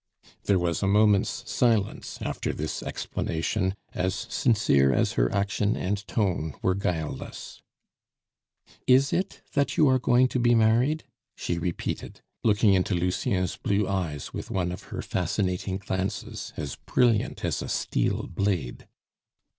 There was a moment's silence after this explanation as sincere as her action and tone were guileless. "Is it that you are going to be married?" she repeated, looking into Lucien's blue eyes with one of her fascinating glances, as brilliant as a steel blade.